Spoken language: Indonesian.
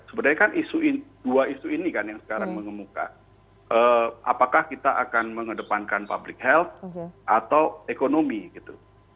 sebenarnya kan isu dua isu ini kan yang sekarang mengemuka apakah kita akan mengedepankan public health atau ekonomi gitu